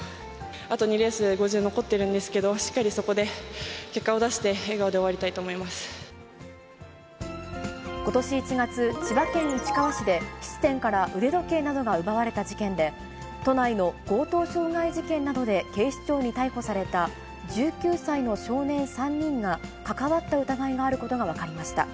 あと２レース、５０残ってるんですけど、しっかりそこで結果を出して、笑顔で終わりたいと思いまことし１月、千葉県市川市で、質店から腕時計などが奪われた事件で、都内の強盗傷害事件などで警視庁に逮捕された１９歳の少年３人が関わった疑いがあることが分かりました。